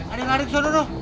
ada yang lari kesana tuh